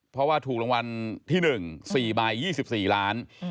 เพราะว่าถูกรางวัลที่๑๔ใบ๒๔ล้าน